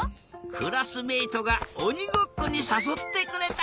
クラスメートがおにごっこにさそってくれた。